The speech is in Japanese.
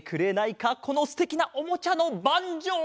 このすてきなおもちゃのバンジョー！